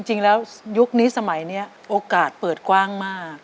จริงแล้วยุคนี้สมัยนี้โอกาสเปิดกว้างมาก